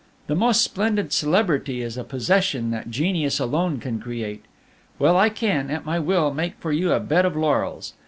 The most splendid celebrity is a possession that genius alone can create. Well, I can, at my will, make for you a bed of laurels.